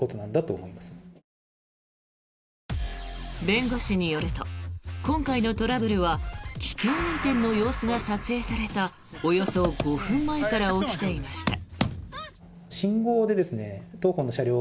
弁護士によると今回のトラブルは危険運転の様子が撮影されたおよそ５分前から起きていました。